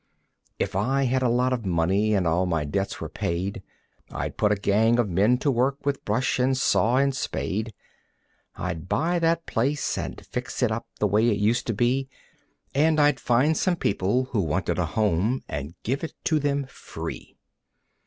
If I had a lot of money and all my debts were paid I'd put a gang of men to work with brush and saw and spade. I'd buy that place and fix it up the way it used to be And I'd find some people who wanted a home and give it to them free.